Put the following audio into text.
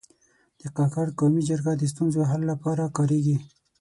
د کاکړ قومي جرګه د ستونزو د حل لپاره کارېږي.